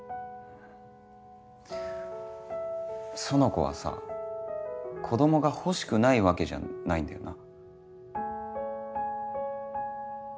苑子はさ子供が欲しくないわけじゃないんだよな？